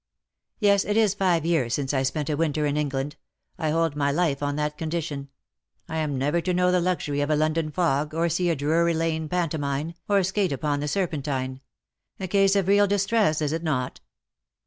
'^^' Yes^ it is five years since I spent a winter in England. I hold my life on that condition. I am never to know the luxury of a Loijdon fog, or see a Drury Lane pantomime, or skate upon the Serpentine. A case of real distress, is it not